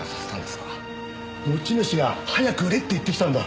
持ち主が早く売れって言ってきたんだ。